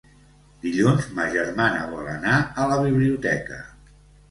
Dilluns ma germana vol anar a la biblioteca.